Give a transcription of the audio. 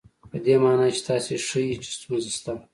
په دې مانا چې تاسې ښيئ چې ستونزه شته.